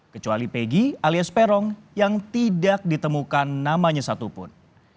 kecuali pegi alias peron yang tidak ditemukan namanya satupun